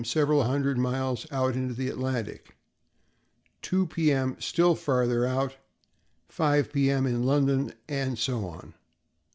several hundred miles out into the Atlantic; 2 P. M. still farther out; 5 P. M. in London; and so on.